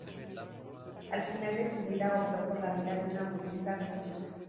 Al final de su vida, optó por la vida de una budista reclusa.